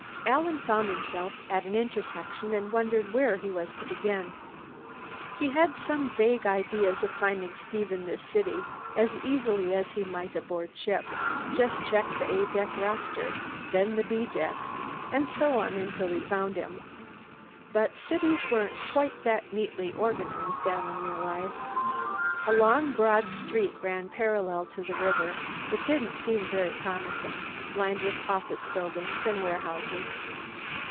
Alan found himself at an intersection, and wondered where he was to begin. He had some vague idea of finding Steve in this city as easily as he might aboard ship just check the A Deck roster, then the B Deck, and so on until he found him. But cities weren't quite that neatly organized, Alan realized. A long broad street ran parallel to the river. It didn't seem very promising: lined with office buildings and warehouses.